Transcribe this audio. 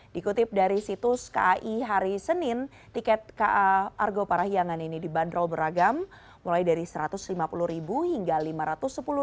dikutip dari situs kai hari senin tiket ka argo parahiangan ini dibanderol beragam mulai dari rp satu ratus lima puluh hingga rp lima ratus sepuluh